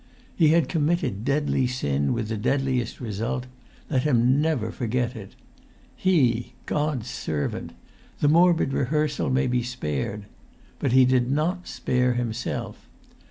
He had committed deadly sin with deadliest result; let him never forget it! He, God's servant——the morbid rehearsal may be spared. But he did not spare himself.